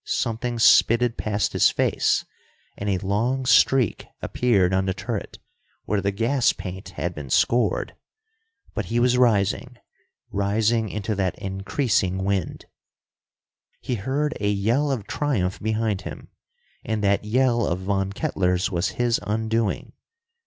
Something spitted past his face, and a long streak appeared on the turret, where the gas paint had been scored. But he was rising, rising into that increasing wind.... He heard a yell of triumph behind him. And that yell of Von Kettler's was his undoing.